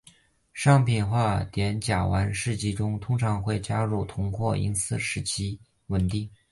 商品化的碘甲烷试剂中通常会加入铜或银丝使其稳定。